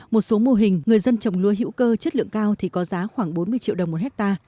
một số mô hình người dân trồng lúa hữu cơ chất lượng cao thì có giá khoảng bốn mươi triệu đồng một ha